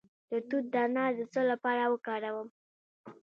د توت دانه د څه لپاره وکاروم؟